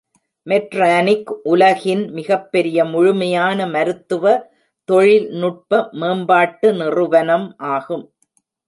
Medtronic உலகின் மிகப்பெரிய முழுமையான மருத்துவ தொழில்நுட்ப மேம்பாட்டு நிறுவனம் ஆகும்.